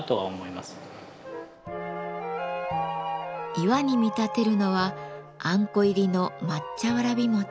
岩に見立てるのはあんこ入りの抹茶わらびもち。